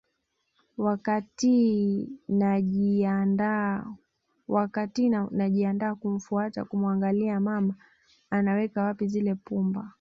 Wakatiii najiandaa kumfuata kumuangalia mama anaweka wapi zile pumba